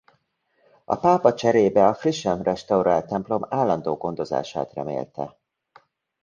A pápa cserébe a frissen restaurált templom állandó gondozását remélte.